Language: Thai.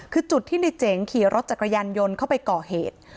คือจุดที่ในเจ๋งขี่รถจักรยานยนต์เข้าไปก่อเหตุ